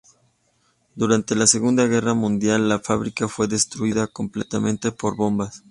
Durante la Segunda Guerra Mundial la fábrica fue destruida completamente por bombas.